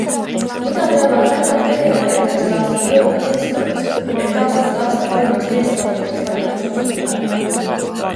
Mida peab aga Tänak tegema järgmisel aastal Toyota meeskonnas, et taaskord aasta parimaks meessportlaseks valituks osutuda?